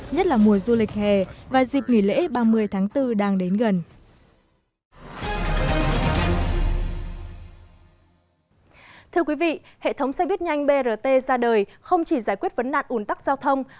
nhất là mùa du lịch hè và dịp nghỉ lễ ba mươi tháng bốn đang đến gần